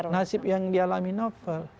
nasib yang dialami novel